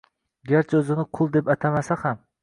garchi o‘zini qul deb atamasa ham.